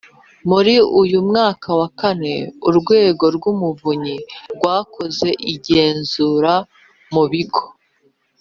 Muri uyu mwaka wa kane Urwego rw Umuvunyi rwakoze igenzura mu bigo